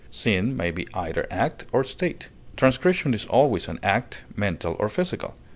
Sin may be either act or state; transgression is always an act, mental or physical.